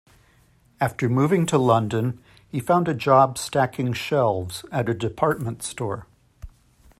After moving to London, he found a job stacking shelves at a department store.